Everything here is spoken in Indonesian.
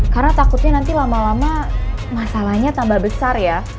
karena takutnya nanti lama lama masalahnya tambah besar ya